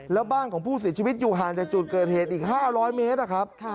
แล้วบ้านของผู้เสียชีวิตอยู่ห่างจากจุดเกิดเหตุอีก๕๐๐เมตรนะครับ